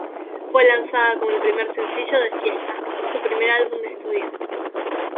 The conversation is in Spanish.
Fue lanzada como el primer sencillo de "Fiesta", su primer álbum de studio.